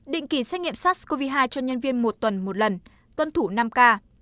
định kỳ xét nghiệm sars cov hai cho nhân viên một tuần một lần tuân thủ năm k